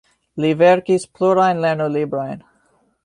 Li verkis plurajn lernolibrojn.